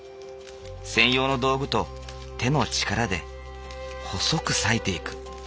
専用の道具と手の力で細く割いていく。